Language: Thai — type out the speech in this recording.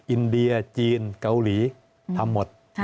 อินเดียจีนเกาหลีทำหมด